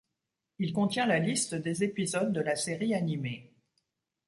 Il contient la liste des épisodes de la série animée.